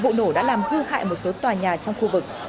vụ nổ đã làm hư hại một số tòa nhà trong khu vực